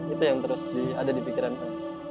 itu yang terus ada di pikiran saya